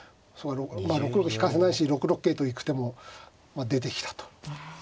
まあ６六引かせないし６六桂と行く手も出てきたと。